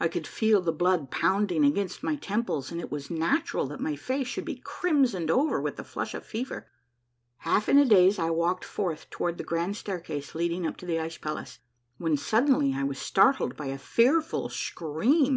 I could feel the blood pounding against my temples, and it was natural that my face should be crimsoned over with the flush of fever. Half in a daze I walked forth toward the grand staircase leading up to the ice palace, when suddenly I was startled by a fearful scream.